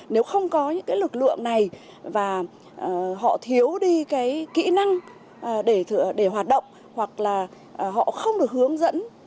nếu không có những cái lực lượng này và họ thiếu đi cái kỹ năng để hoạt động hoặc là họ không được hướng dẫn